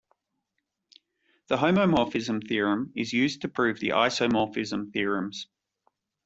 The homomorphism theorem is used to prove the isomorphism theorems.